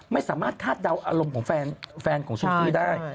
ไม่สามารถทาดดาวอารมณ์ของแฟนแฟนของซูซี่ได้